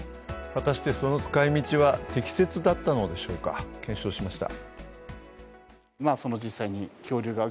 果たしてその使い道は適切だったのでしょうか、検証しました。